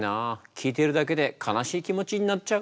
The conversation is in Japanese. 聞いているだけで悲しい気持ちになっちゃう。